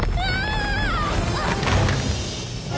あっ！